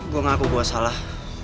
gue ngaku gue salah